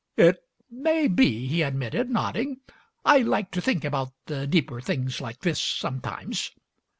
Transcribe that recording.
"It may be," he admitted, nodding. "I like to think about the deeper things like this sometimes."